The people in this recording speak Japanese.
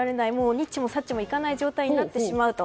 にっちもさっちもいかない状態になってしまうと。